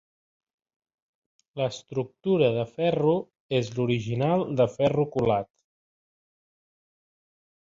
L'estructura de ferro és l'original de ferro colat.